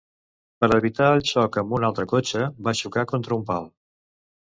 Per evitar el xoc amb un altre cotxe, va xocar contra un pal.